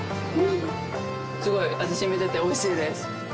すごい味しみてて美味しいです。